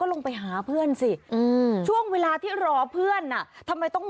ก็มีบ้านซึ้ง